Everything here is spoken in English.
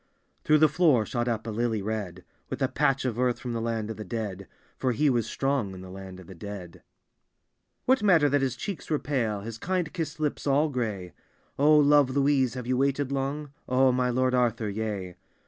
Through the floor shot up a lily red. With a patch of earth from the land of the dead. Far he was strong in the land of the dead. What matter that his cheeks were pale. His kind kiss'd lips all gray? " O love Louise, have you waited long? "" O my Lord Ardiur, yea."